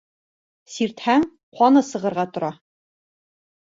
Сиртһәң, ҡаны сығырға тора.